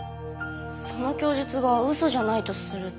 その供述が嘘じゃないとすると。